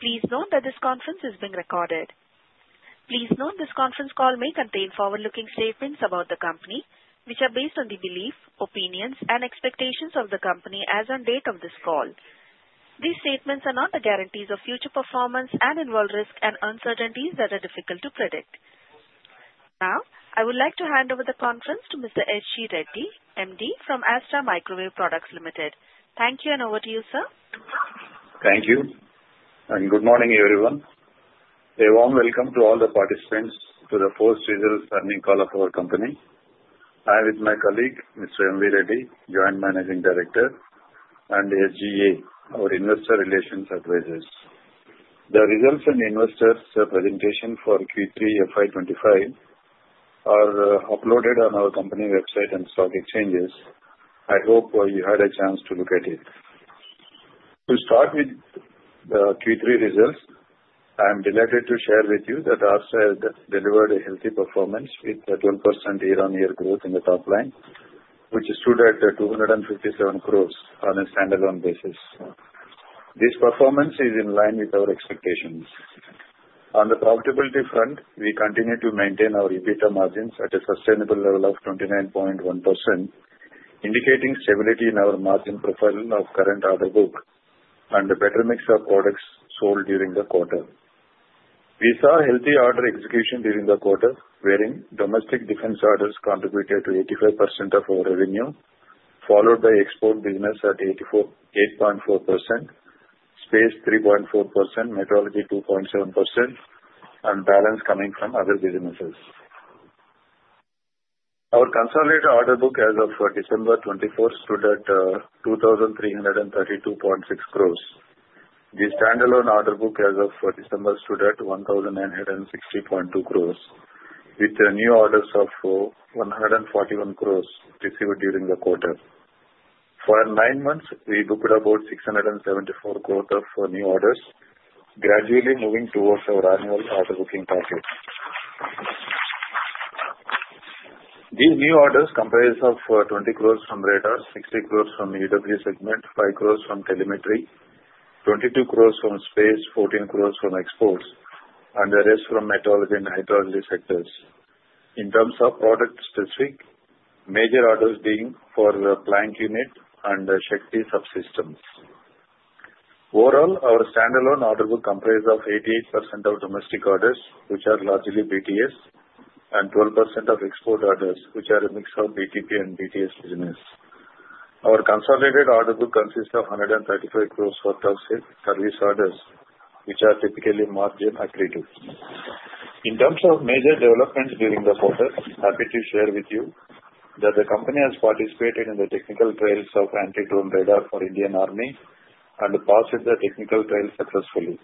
Please note that this conference is being recorded. Please note this conference call may contain forward-looking statements about the company, which are based on the beliefs, opinions, and expectations of the company as of the date of this call. These statements are not the guarantees of future performance and involve risks and uncertainties that are difficult to predict. Now, I would like to hand over the conference to Mr. S.G. Reddy, MD from Astra Microwave Products Limited. Thank you, and over to you, sir. Thank you, and good morning, everyone. A warm welcome to all the participants to the first results earnings call of our company. I am with my colleague, Mr. M.V. Reddy, Joint Managing Director and SGA, our Investor Relations Advisors. The results and investor presentation for Q3 FY 2025 are uploaded on our company website and stock exchanges. I hope you had a chance to look at it. To start with the Q3 results, I am delighted to share with you that Astra has delivered a healthy performance with a 12% year-on-year growth in the top line, which stood at 257 crores on a standalone basis. This performance is in line with our expectations. On the profitability front, we continue to maintain our EBITDA margins at a sustainable level of 29.1%, indicating stability in our margin profile of current order book and a better mix of products sold during the quarter. We saw healthy order execution during the quarter, wherein domestic defense orders contributed to 85% of our revenue, followed by export business at 8.4%, space 3.4%, meteorology 2.7%, and balance coming from other businesses. Our consolidated order book as of December 24 stood at 2,332.6 crores. The standalone order book as of December stood at 1,960.2 crores, with new orders of 141 crores received during the quarter. For nine months, we booked about 674 crores of new orders, gradually moving towards our annual order booking target. These new orders comprise of 20 crores from radar, 60 crores from EW segment, 5 crores from telemetry, 22 crores from space, 14 crores from exports, and the rest from meteorology and hydrology sectors. In terms of product specific, major orders being for the plank unit and the Shakti subsystems. Overall, our standalone order book comprises of 88% of domestic orders, which are largely BTS, and 12% of export orders, which are a mix of BTP and BTS business. Our consolidated order book consists of 135 crores worth of service orders, which are typically margin-accretive. In terms of major developments during the quarter, I'm happy to share with you that the company has participated in the technical trials of anti-drone radar for the Indian Army and passed the technical trial successfully,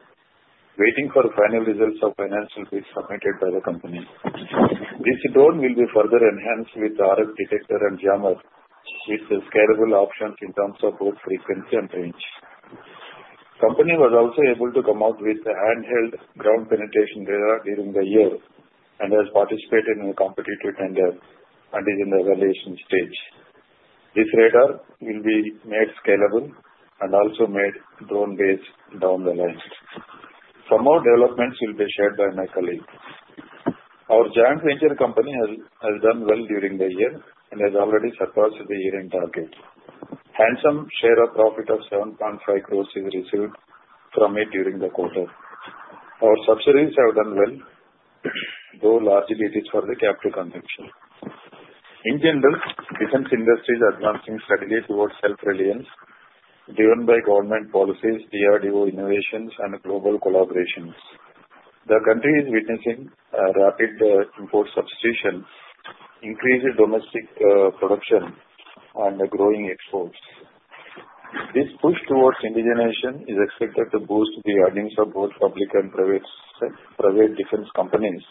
waiting for final results of financials being submitted by the company. This drone will be further enhanced with the RF detector and jammer, with scalable options in terms of both frequency and range. The company was also able to come out with handheld ground penetration radar during the year and has participated in a competitive tender and is in the evaluation stage. This radar will be made scalable and also made drone-based down the line. Some more developments will be shared by my colleague. Our joint venture company has done well during the year and has already surpassed the year-end target. Handsome share of profit of 7.5 crores is received from it during the quarter. Our subsidiaries have done well, though largely it is for the capital consumption. In general, defense industry is advancing steadily towards self-reliance, driven by government policies, DRDO innovations, and global collaborations. The country is witnessing rapid import substitution, increased domestic production, and growing exports. This push towards indigenization is expected to boost the earnings of both public and private defense companies,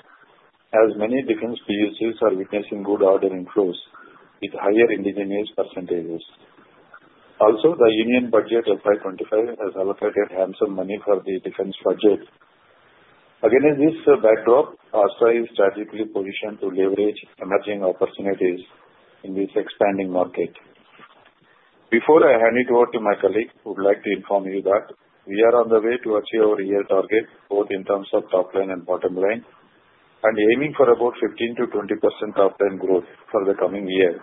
as many defense PSUs are witnessing good order inflows with higher indigenized percentages. Also, the Union Budget FY 2025 has allocated handsome money for the defense budget. Against this backdrop, Astra is strategically positioned to leverage emerging opportunities in this expanding market. Before I hand it over to my colleague, I would like to inform you that we are on the way to achieve our year target, both in terms of top line and bottom line, and aiming for about 15%-20% top line growth for the coming year,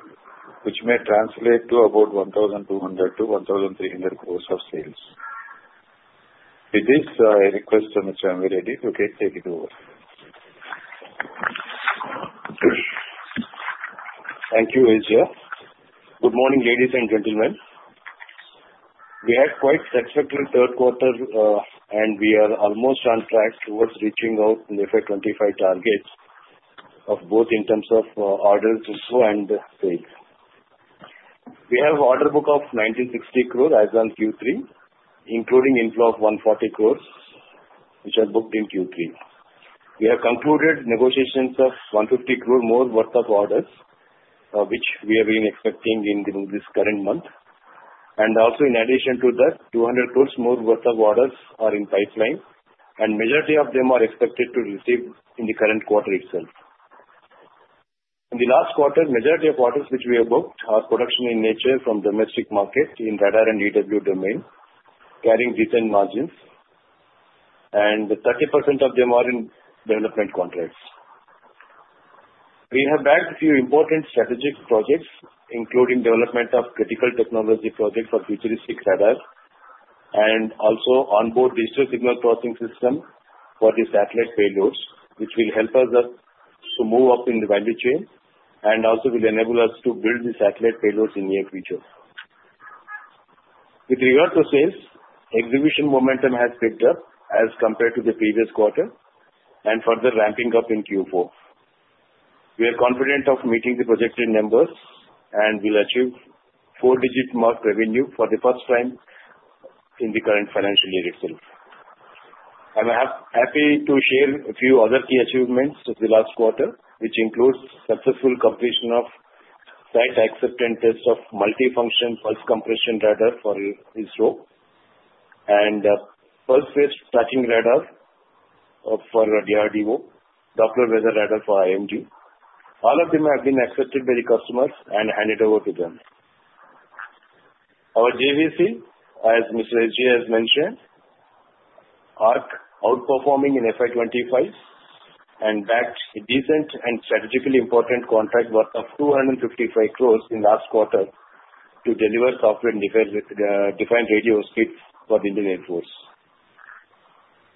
which may translate to about 1,200- 1,300 crores of sales. With this, I request Mr. M.V. Reddy to take it over. Thank you, Astra. Good morning, ladies and gentlemen. We had quite successful third quarter, and we are almost on track towards reaching the FY 2025 targets of both in terms of orders and sales. We have an order book of 960 crores as of Q3, including inflow of 140 crores, which are booked in Q3. We have concluded negotiations of 1.5 billion more worth of orders, which we have been expecting in this current month, and also, in addition to that, 200 crores more worth of orders are in pipeline, and the majority of them are expected to receive in the current quarter itself. In the last quarter, the majority of orders which we have booked are production in nature from domestic market in radar and EW domain, carrying decent margins, and 30% of them are in development contracts. We have backed a few important strategic projects, including the development of critical technology projects for futuristic radar and also onboard digital signal processing system for the satellite payloads, which will help us to move up in the value chain and also will enable us to build the satellite payloads in the near future. With regard to sales, execution momentum has picked up as compared to the previous quarter and further ramping up in Q4. We are confident of meeting the projected numbers and will achieve four-digit mark revenue for the first time in the current financial year itself. I'm happy to share a few other key achievements of the last quarter, which include the successful completion of site-acceptance tests of multi-function pulse compression radar for ISRO and pulse-based tracking radar for DRDO, Doppler weather radar for IMD. All of them have been accepted by the customers and handed over to them. Our JVC, as Mr. G.S has mentioned, is outperforming in FY 2025 and bagged a decent and strategically important contract worth 255 crores in the last quarter to deliver software-defined radios for the Indian Air Force.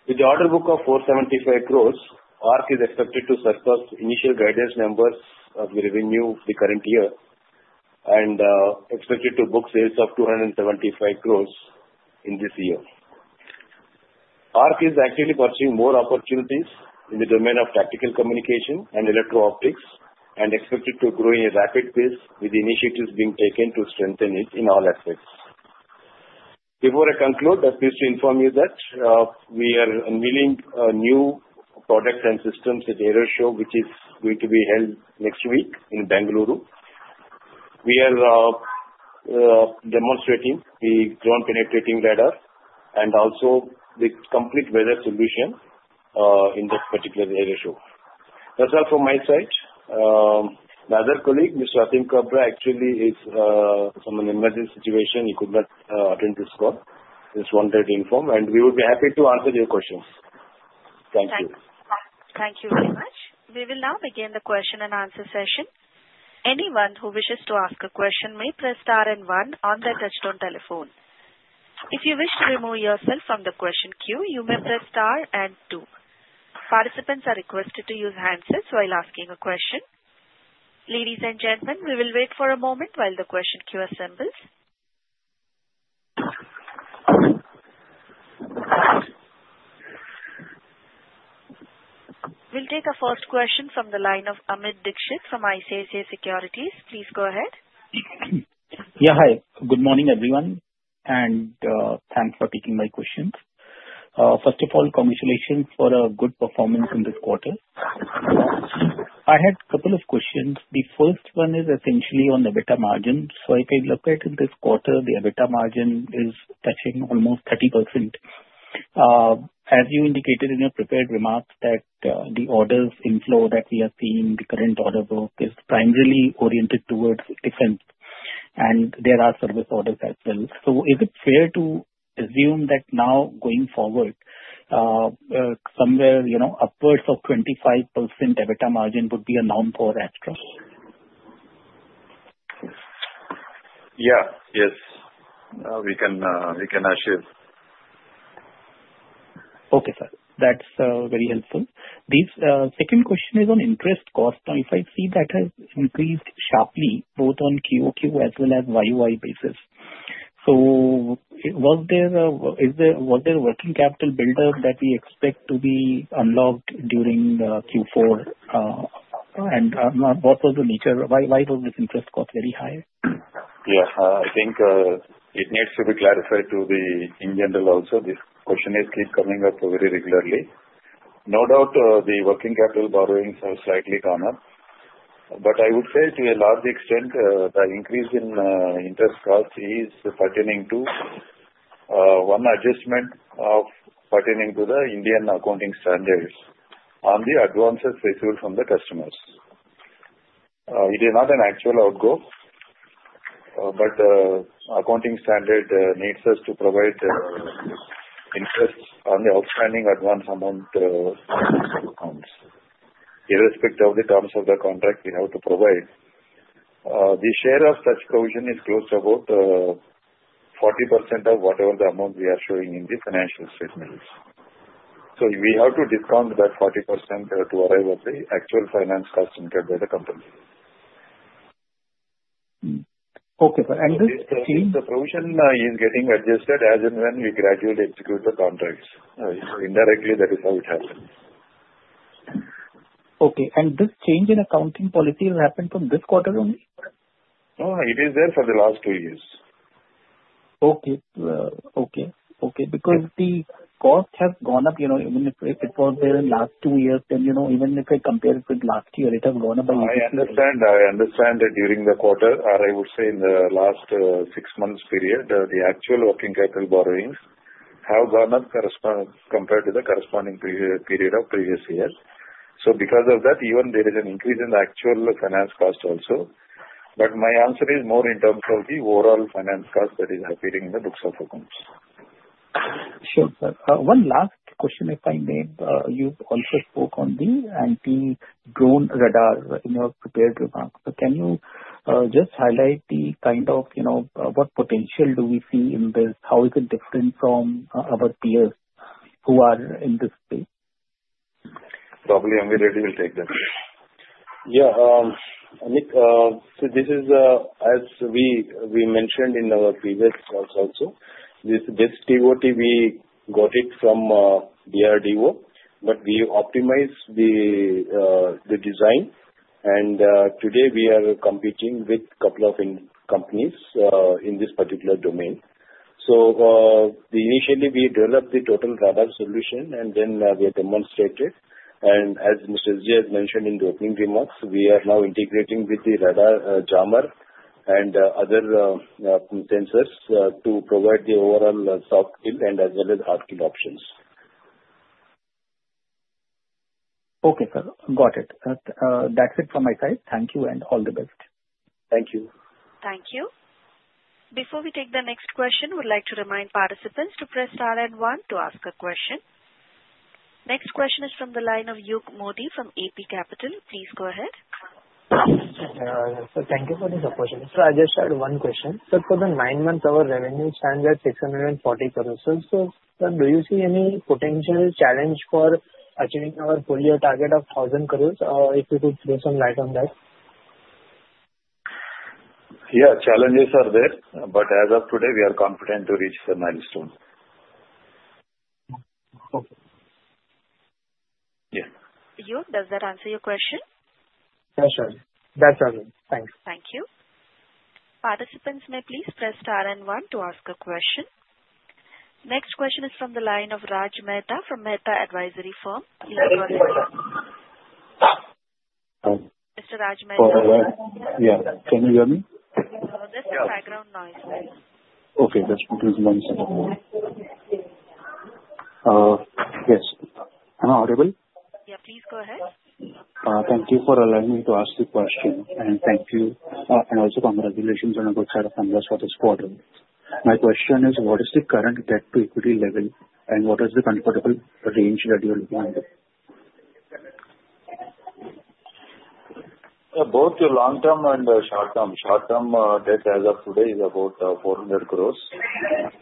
With the order book of 475 crores, ARC is expected to surpass initial guidance numbers of the revenue of the current year and is expected to book sales of 275 crores in this year. ARC is actively pursuing more opportunities in the domain of tactical communication and electro-optics and is expected to grow at a rapid pace, with initiatives being taken to strengthen it in all aspects. Before I conclude, I have to inform you that we are unveiling new products and systems at the AeroShow, which is going to be held next week in Bengaluru. We are demonstrating the drone-penetrating radar and also the complete weather solution in this particular AeroShow. That's all from my side. My other colleague, Mr. Atim Kabra, actually is from an emergency situation. He could not attend this call. He just wanted to inform, and we would be happy to answer your questions. Thank you. Thank you very much. We will now begin the question and answer session. Anyone who wishes to ask a question may press star and one on their touch-tone telephone. If you wish to remove yourself from the question queue, you may press star and two. Participants are requested to use handsets while asking a question. Ladies and gentlemen, we will wait for a moment while the question queue assembles. We'll take a first question from the line of Amit Dixit from ICICI Securities. Please go ahead. Yeah, hi. Good morning, everyone, and thanks for taking my questions. First of all, congratulations for a good performance in this quarter. I had a couple of questions. The first one is essentially on EBITDA margins. So if you look at it this quarter, the EBITDA margin is touching almost 30%. As you indicated in your prepared remarks, the orders inflow that we are seeing in the current order book is primarily oriented towards defense, and there are service orders as well. So is it fair to assume that now going forward, somewhere upwards of 25% EBITDA margin would be a norm for Astra? Yeah, yes. We can assume. Okay, sir. That's very helpful. The second question is on interest cost. I see that has increased sharply both on QoQ as well as YoY basis. So was there a working capital build-up that we expect to be unlocked during Q4? And what was the nature? Why was this interest cost very high? Yeah, I think it needs to be clarified to the investors in general also. This question keeps coming up very regularly. No doubt, the working capital borrowings have slightly gone up. But I would say to a large extent, the increase in interest cost is pertaining to one adjustment pertaining to the Indian accounting standards on the advances received from the customers. It is not an actual outgo, but the accounting standard needs us to provide interest on the outstanding advance amounts. Irrespective of the terms of the contract we have to provide, the share of such provision is close to about 40% of whatever the amount we are showing in the financial statements. So we have to discount that 40% to arrive at the actual finance cost incurred by the company. Okay, sir. And this change. The provision is getting adjusted as and when we gradually execute the contracts. Indirectly, that is how it happens. Okay. And this change in accounting policy has happened from this quarter only? No, it is there for the last two years. Okay. Because the cost has gone up. I mean, if it was there in the last two years, then even if I compare it with last year, it has gone up by 80%. I understand that during the quarter, or I would say in the last six months' period, the actual working capital borrowings have gone up compared to the corresponding period of previous years. So because of that, even there is an increase in the actual finance cost also. But my answer is more in terms of the overall finance cost that is appearing in the books of accounts. Sure, sir. One last question if I may. You also spoke on the anti-drone radar in your prepared remarks. Can you just highlight the kind of what potential do we see in this? How is it different from our peers who are in this space? Probably M.V. Reddy will take that. Yeah. So this is, as we mentioned in our previous calls also, this ToT, we got it from DRDO, but we optimized the design. And today, we are competing with a couple of companies in this particular domain. So initially, we developed the total radar solution, and then we demonstrated it. And as Mr. G.S has mentioned in the opening remarks, we are now integrating with the radar jammer and other sensors to provide the overall soft kill and as well as hard kill options. Okay, sir. Got it. That's it from my side. Thank you and all the best. Thank you. Thank you. Before we take the next question, we'd like to remind participants to press star and one to ask a question. Next question is from the line of Yug Modi from AP Capital. Please go ahead. Thank you for this opportunity. So I just had one question. So for the nine months, our revenue stands at 640 crores. So do you see any potential challenge for achieving our full year target of 1,000 crores? If you could throw some light on that? Yeah, challenges are there, but as of today, we are confident to reach the milestone. Okay. Yes. Yug, does that answer your question? Yes, sir. That's all. Thanks. Thank you. Participants, may please press star and one to ask a question. Next question is from the line of Raj Mehta from Mehta Advisory Firm. Please go ahead. Mr. Raj Mehta. Yeah. Can you hear me? There's some background noise. Okay. Just give me one second. Yes. Am I audible? Yeah, please go ahead. Thank you for allowing me to ask the question. And thank you. And also, congratulations on a good set of numbers for this quarter. My question is, what is the current debt-to-equity level, and what is the comfortable range that you're looking at? Both long-term and short-term. Short-term debt as of today is about 400 crores.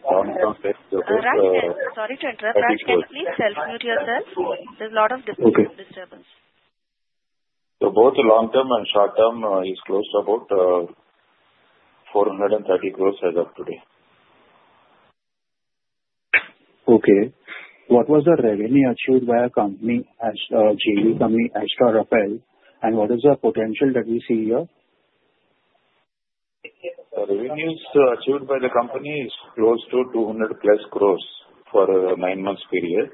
Long-term debt is about. Sorry to interrupt. Ashish Goyal, please self-mute yourself. There's a lot of disturbance. So both long-term and short-term is close to about 430 crores as of today. Okay. What was the revenue achieved by the company as JV company Astra Rafael? And what is the potential that we see here? Revenues achieved by the company is close to 200+ crores for a nine-month period.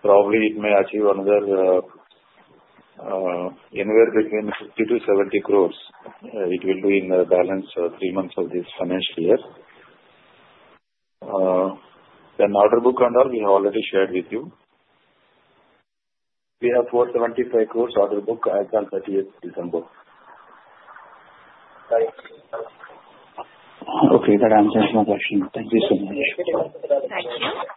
Probably it may achieve another anywhere between 50 crores-70 crores. It will be in the balance three months of this financial year. Then order book and all, we have already shared with you. We have 475 crores order book as of 30th December. Okay. That answers my question. Thank you so much. Thank you.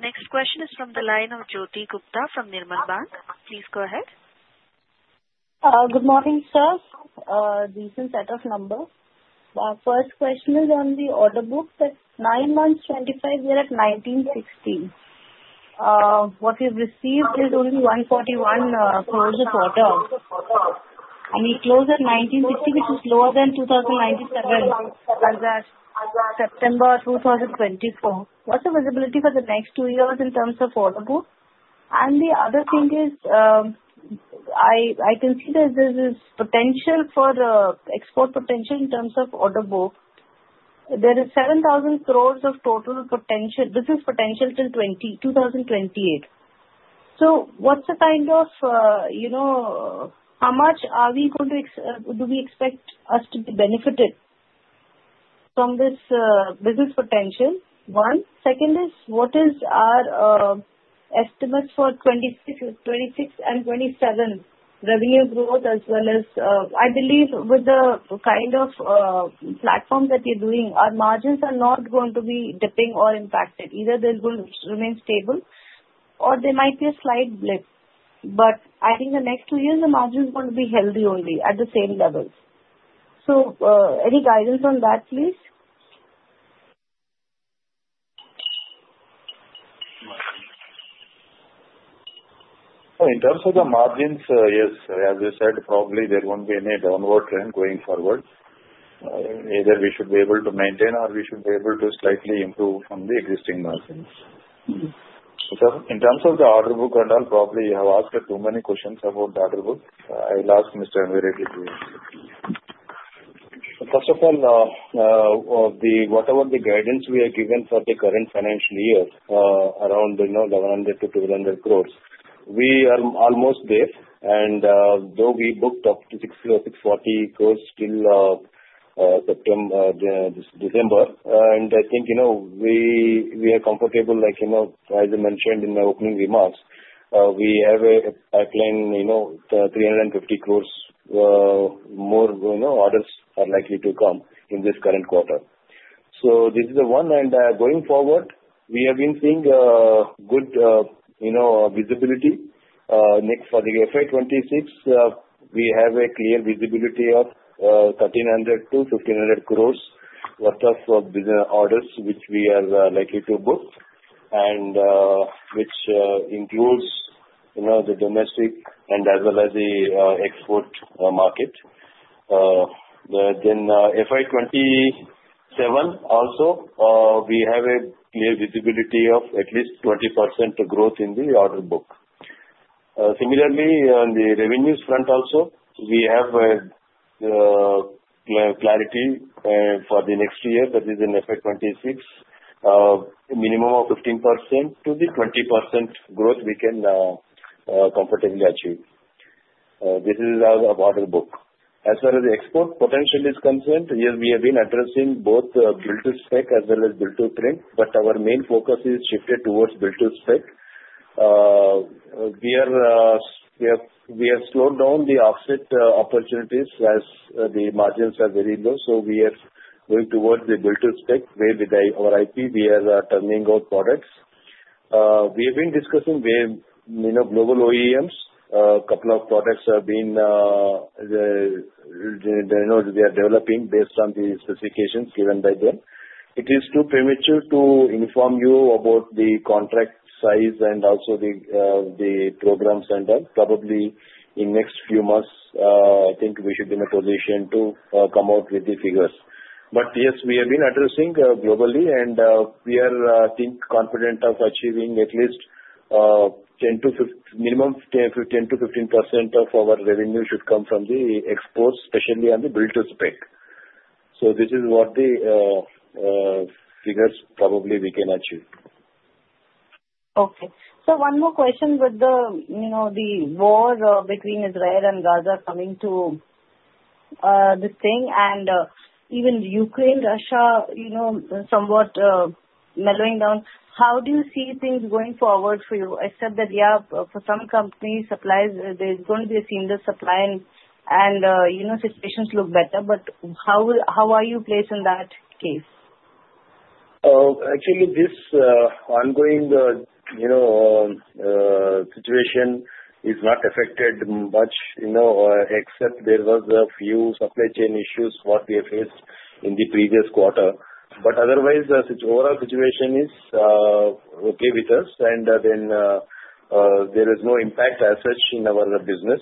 Next question is from the line of Jyoti Gupta from Nirmal Bang. Please go ahead. Good morning, sir. Decent set of numbers. First question is on the order book that nine months, 25 year at 1,960. What we've received is only 141 crores of order. And we closed at 1,960, which is lower than 2,097 as of September 2024. What's the visibility for the next two years in terms of order book? And the other thing is I can see that there is potential for export potential in terms of order book. There is 7,000 crores of total potential. This is potential till 2028. So what's the kind of how much are we going to do we expect us to be benefited from this business potential? One. Second is, what is our estimates for 26 and 27 revenue growth as well as I believe with the kind of platform that we're doing, our margins are not going to be dipping or impacted. Either they'll remain stable or they might be a slight blip. But I think the next two years, the margin is going to be healthy only at the same level. So any guidance on that, please? In terms of the margins, yes. As I said, probably there won't be any downward trend going forward. Either we should be able to maintain or we should be able to slightly improve from the existing margins. In terms of the order book and all, probably you have asked too many questions about the order book. I'll ask Mr. M.V. Reddy to answer. First of all, whatever the guidance we are given for the current financial year around 1,100 crores-1,200 crores, we are almost there, and though we booked up to 640 crore till December, and I think we are comfortable, as I mentioned in my opening remarks, we have a pipeline 350 crore more orders are likely to come in this current quarter, so this is the one, and going forward, we have been seeing good visibility. For the FY 2026, we have a clear visibility of 1,300 croses- 1,500 crores worth of orders, which we are likely to book, and which includes the domestic and as well as the export market. Then FY 2027 also, we have a clear visibility of at least 20% growth in the order book. Similarly, on the revenues front also, we have clarity for the next year, that is in FY 2026, a minimum of 15%-20% growth we can comfortably achieve. This is our order book. As far as the export potential is concerned, we have been addressing both build-to-spec as well as build-to-print, but our main focus is shifted towards build-to-spec. We have slowed down the offset opportunities as the margins are very low, so we are going towards the build-to-spec way with our IP. We are turning out products. We have been discussing global OEMs. A couple of products have been developing based on the specifications given by them. It is too premature to inform you about the contract size and also the program center. Probably in the next few months, I think we should be in a position to come out with the figures. But yes, we have been addressing globally, and we are, I think, confident of achieving at least minimum 10%-15% of our revenue should come from the exports, especially on the build-to-spec. So this is what the figures probably we can achieve. Okay, so one more question with the war between Israel and Gaza coming to this thing, and even Ukraine, Russia somewhat mellowing down. How do you see things going forward for you? I said that, yeah, for some companies, there's going to be a single supply, and situations look better. But how are you placed in that case? Actually, this ongoing situation is not affected much, except there were a few supply chain issues what we faced in the previous quarter. But otherwise, the overall situation is okay with us, and then there is no impact as such in our business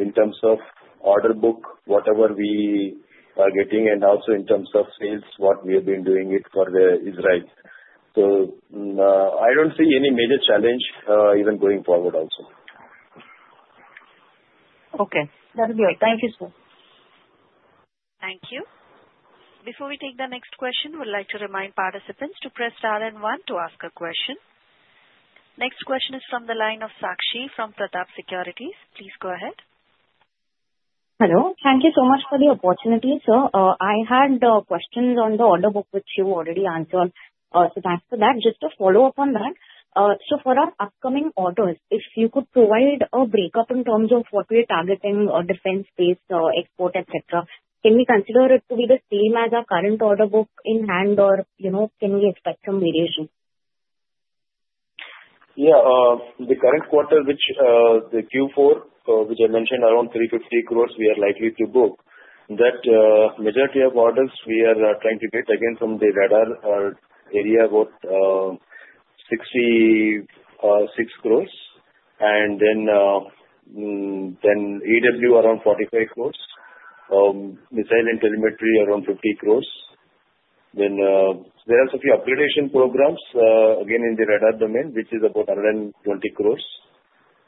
in terms of order book, whatever we are getting, and also in terms of sales, what we have been doing it for Israel. So I don't see any major challenge even going forward also. Okay. That'll be all. Thank you, sir. Thank you. Before we take the next question, we'd like to remind participants to press star and one to ask a question. Next question is from the line of Sakshi from Pratap Securities. Please go ahead. Hello. Thank you so much for the opportunity, sir. I had questions on the order book which you already answered. So thanks for that. Just to follow up on that, so for our upcoming orders, if you could provide a breakup in terms of what we are targeting, defense-based, export, etc., can we consider it to be the same as our current order book in hand, or can we expect some variation? Yeah. The current quarter, which is the Q4, which I mentioned around 350 crores we are likely to book, that majority of orders we are trying to get again from the radar area about 66 crores. And then EW around 45 crores, missile and telemetry around 50 crores. Then there are some upgradation programs, again, in the radar domain, which is about 120 crores.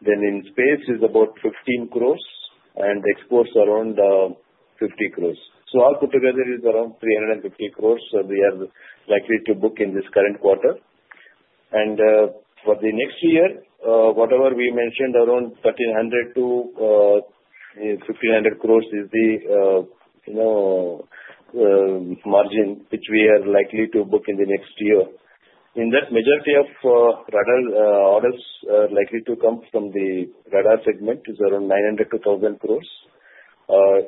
Then in space is about 15 crores, and exports around 50 crores. So all put together is around 350 crores we are likely to book in this current quarter. And for the next year, whatever we mentioned around 1,300-1,500 crores is the margin which we are likely to book in the next year. In that, majority of radar orders are likely to come from the radar segment is around 900 crores-1,000 crores.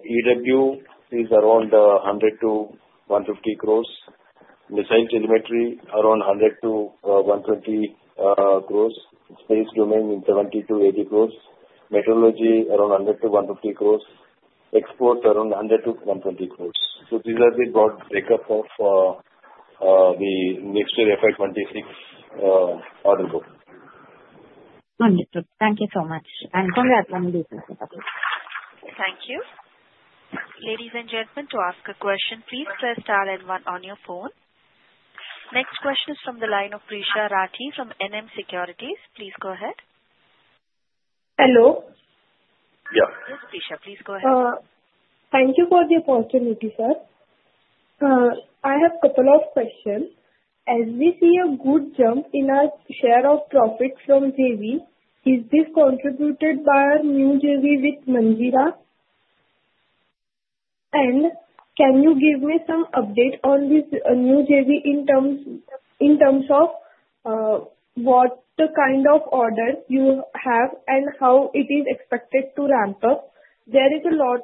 EW is around 100 crores-150 crores. Missile telemetry around 100 crores-120 crores. Space domain is 70 crores-80 crores. Meteorology around 100 crores-150 crores. Exports around 100 crores-120 crores. So these are the broad breakdown of the next year FY 2026 order book. Understood. Thank you so much. And congratulations, sir. Thank you. Ladies and gentlemen, to ask a question, please press star and one on your phone. Next question is from the line of Prisha Rathi from NM Securities. Please go ahead. Hello. Yeah. Yes, Prisha, please go ahead. Thank you for the opportunity, sir. I have a couple of questions. As we see a good jump in our share of profit from JV, is this contributed by our new JV with Manjeera? And can you give me some update on this new JV in terms of what kind of orders you have and how it is expected to ramp up? There is a lot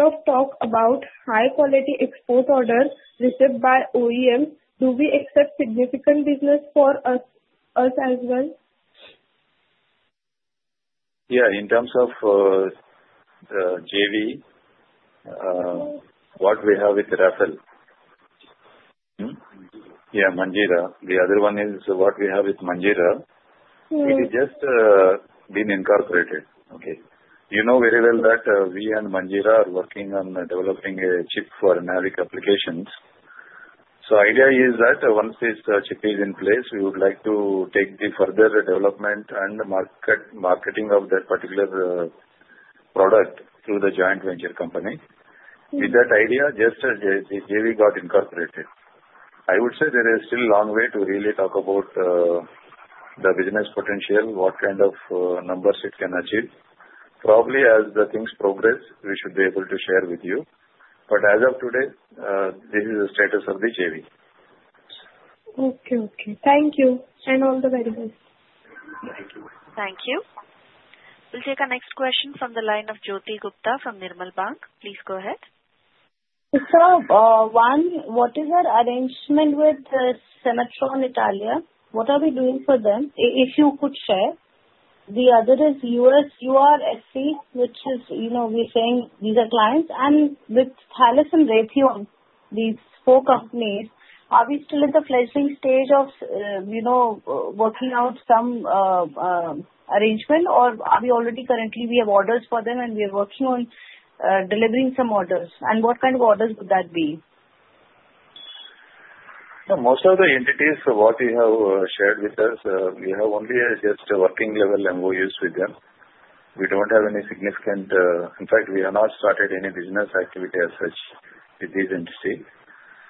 of talk about high-quality export orders received by OEMs. Do we expect significant business for us as well? Yeah. In terms of JV, what we have with Rafael? Yeah, Manjeera. The other one is what we have with Manjeera. It has just been incorporated. Okay. You know very well that we and Manjeera are working on developing a chip for NavIC applications. So the idea is that once this chip is in place, we would like to take the further development and marketing of that particular product through the joint venture company. With that idea, just the JV got incorporated. I would say there is still a long way to really talk about the business potential, what kind of numbers it can achieve. Probably as the things progress, we should be able to share with you. But as of today, this is the status of the JV. Okay. Okay. Thank you. And all the very best. Thank you. Thank you. We'll take a next question from the line of Jyoti Gupta from Nirmal Bang. Please go ahead. Sir, one, what is our arrangement with Sematron Italia? What are we doing for them? If you could share. The other is URSC, URSC, which is we're saying these are clients. And with Thales and Raytheon, these four companies, are we still at the fledgling stage of working out some arrangement, or are we already currently we have orders for them and we are working on delivering some orders? And what kind of orders would that be? Most of the entities what you have shared with us, we have only just a working-level MOUs with them. We don't have any significant. In fact, we have not started any business activity as such with these entities,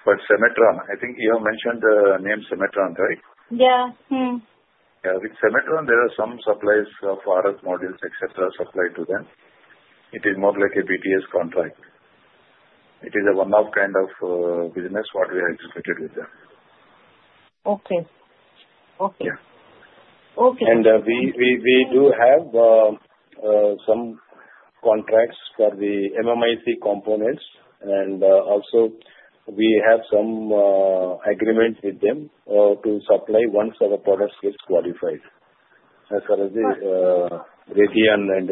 but Sematron, I think you have mentioned the name Sematron, right? Yeah. Yeah. With Sematron, there are some supplies of RF modules, etc., supplied to them. It is more like a BTS contract. It is a one-off kind of business what we have executed with them. Okay. Okay. Yeah, and we do have some contracts for the MMIC components, and also we have some agreement with them to supply once our products get qualified, as far as the Raytheon and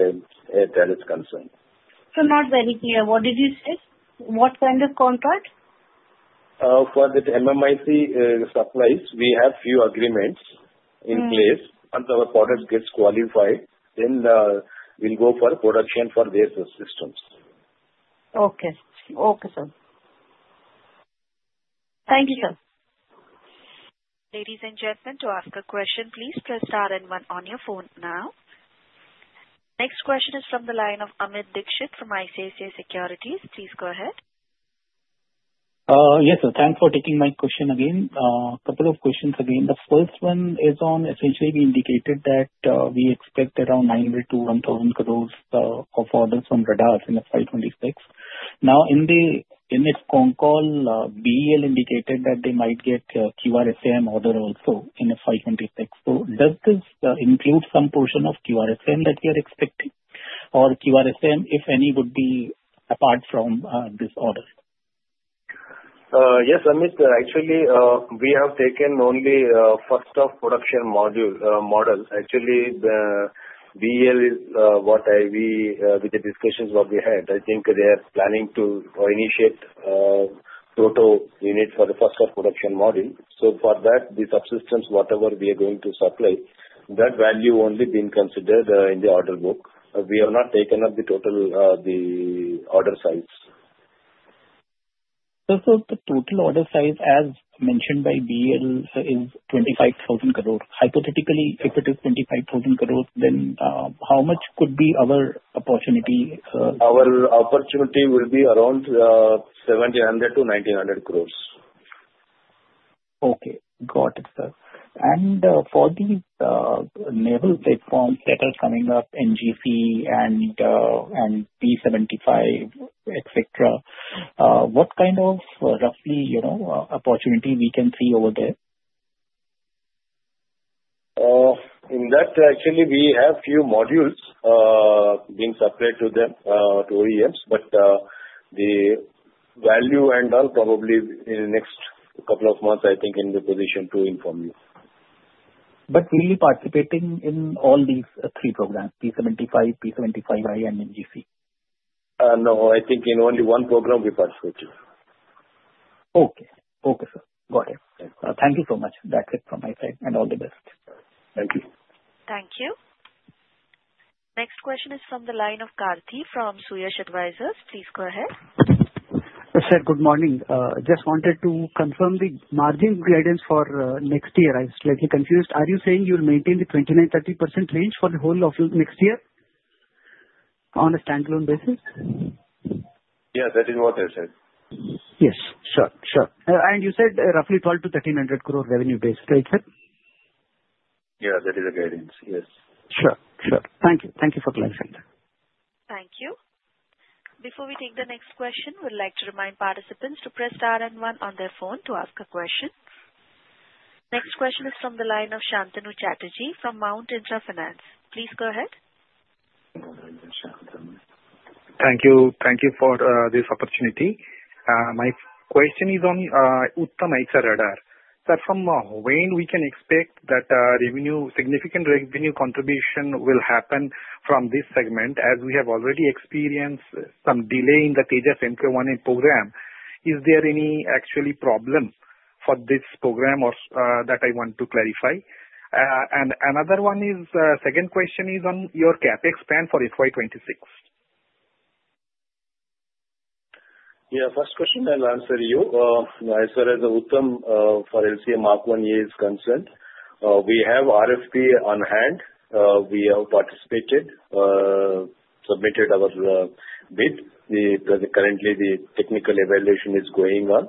Thales is concerned. Sir, not very clear. What did you say? What kind of contract? For the MMIC supplies, we have a few agreements in place. Once our product gets qualified, then we'll go for production for their systems. Okay. Okay, sir. Thank you, sir. Ladies and gentlemen, to ask a question, please press star and one on your phone now. Next question is from the line of Amit Dixit from ICICI Securities. Please go ahead. Yes, sir. Thanks for taking my question again. A couple of questions again. The first one is on essentially we indicated that we expect around 900 crores-1,000 crores of orders from radar in FY 2026. Now, in its phone call, BEL indicated that they might get QRSM order also in FY 2026. So does this include some portion of QRSM that we are expecting, or QRSM, if any, would be apart from this order? Yes, Amit. Actually, we have taken only first-of-production module. Actually, BEL is, in view of the discussions we had. I think they are planning to initiate proto units for the first-of-production module. So for that, the subsystems, whatever we are going to supply, that value only being considered in the order book. We have not taken up the total order size. Sir, so the total order size, as mentioned by BEL, is 25,000 crores. Hypothetically, if it is 25,000 crores, then how much could be our opportunity? Our opportunity will be around 1,700 crores-1,900 crores. Okay. Got it, sir. And for the naval platforms that are coming up, NGC and P-75, etc., what kind of roughly opportunity we can see over there? In that, actually, we have a few modules being separated to OEMs, but the value and all probably in the next couple of months, I think, in the position to inform you. But we'll be participating in all these three programs, P-75, P-75I, and NGC? No. I think in only one program we participate. Okay. Okay, sir. Got it. Thank you so much. That's it from my side, and all the best. Thank you. Next question is from the line of Karthi from Suyash Advisors. Please go ahead. Sir, good morning. Just wanted to confirm the margin guidance for next year. I'm slightly confused. Are you saying you'll maintain the 29%-30% range for the whole of next year on a standalone basis? Yeah. That is what I said. Yes. Sure. Sure. And you said roughly 1,200 crore-1,300 crore revenue base, right, sir? Yeah. That is the guidance. Yes. Sure. Sure. Thank you. Thank you for clarifying that. Thank you. Before we take the next question, we'd like to remind participants to press star and one on their phone to ask a question. Next question is from the line of Santanu Chatterjee from Mount Intra Finance. Please go ahead. Thank you. Thank you for this opportunity. My question is on Uttam AESA Radar. Sir, from when can we expect that significant revenue contribution will happen from this segment? As we have already experienced some delay in the Tejas Mk1A program, is there any actual problem for this program that I want to clarify? Another one is, the second question is on your CapEx plan for FY 2026.. Yeah. First question, I'll answer you. As far as Uttam for LCA Mk1A is concerned, we have RFP on hand. We have participated, submitted our bid. Currently, the technical evaluation is going on.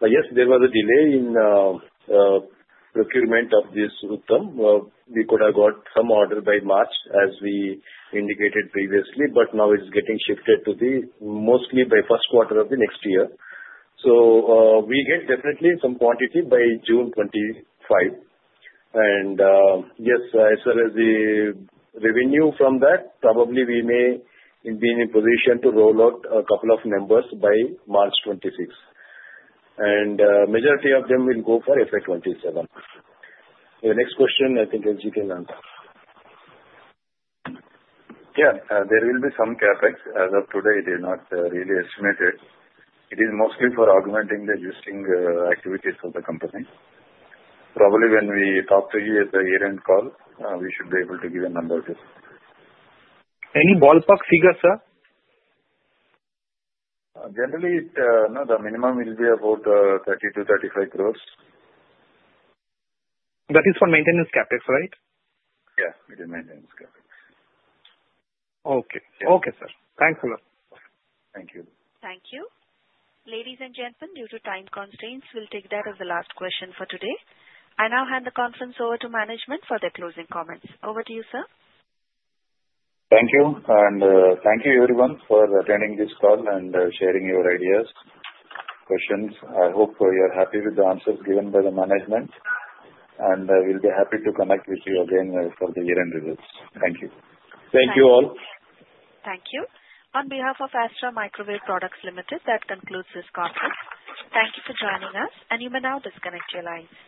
Yes, there was a delay in procurement of this Uttam. We could have got some order by March, as we indicated previously, but now it's getting shifted to mostly by first quarter of the next year. So we get definitely some quantity by June 2025. And yes, as far as the revenue from that, probably we may be in a position to roll out a couple of numbers by March 2026. And the majority of them will go for FY 2027. The next question, I think, is detailed on that. Yeah. There will be some CapEx. As of today, they're not really estimated. It is mostly for augmenting the existing activities of the company. Probably when we talk to you at the year-end call, we should be able to give a number too. Any ballpark figure, sir? Generally, no. The minimum will be about 30 crores-35 crores. That is for maintenance CapEx, right? Yeah. It is maintenance CapEx. Okay. Okay, sir. Thanks a lot. Thank you. Thank you. Ladies and gentlemen, due to time constraints, we'll take that as the last question for today. I now hand the conference over to management for their closing comments. Over to you, sir. Thank you. And thank you, everyone, for attending this call and sharing your ideas, questions. I hope you're happy with the answers given by the management. And we'll be happy to connect with you again for the year-end results. Thank you. Thank you all. Thank you. On behalf of Astra Microwave Products Limited, that concludes this conference. Thank you for joining us, and you may now disconnect your lines.